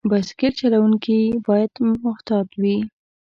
بایسکل چلونکي باید محتاط وي.